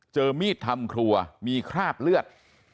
มีดทำครัวมีคราบเลือด